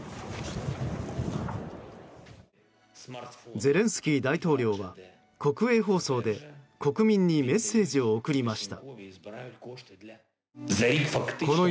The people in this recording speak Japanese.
ゼレンスキー大統領は国営放送で国民にメッセージを送りました。